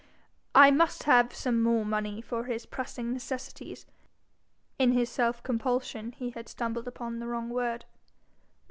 'I must have some more money for his pressing necessities.' In his self compulsion he had stumbled upon the wrong word.